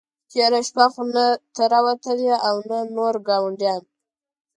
تېره شپه خو نه ته را وتلې او نه نور ګاونډیان.